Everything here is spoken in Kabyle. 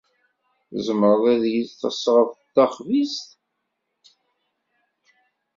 Tzemreḍ ad iyi-d-tesɣeḍ taxbizt?